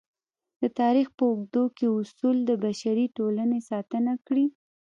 د تاریخ په اوږدو کې اصول د بشري ټولنې ساتنه کړې.